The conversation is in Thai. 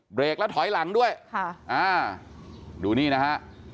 เบรกแล้วถอยหลังด้วยดูนี่นะฮะ